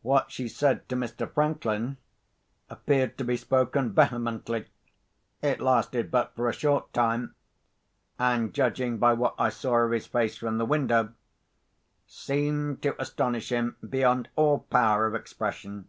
What she said to Mr. Franklin appeared to be spoken vehemently. It lasted but for a short time, and, judging by what I saw of his face from the window, seemed to astonish him beyond all power of expression.